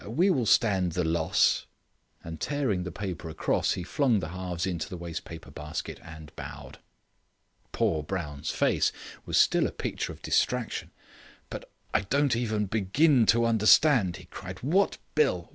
We will stand the loss." And, tearing the paper across, he flung the halves into the waste paper basket and bowed. Poor Brown's face was still a picture of distraction. "But I don't even begin to understand," he cried. "What bill?